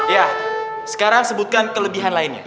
ya sekarang sebutkan kelebihan lainnya